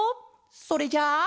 それじゃあ。